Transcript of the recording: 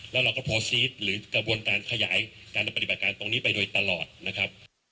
แล้วเราก็โทรซีสหรือกระบวนการขยายการปฏิบัติการตรงนี้ไปโดยตลอดนะครับ